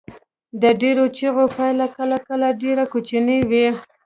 د ډیرو چیغو پایله کله کله ډیره کوچنۍ وي.